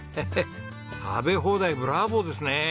食べ放題ブラボーですね。